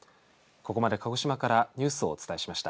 ここまで鹿児島からニュースをお伝えしました。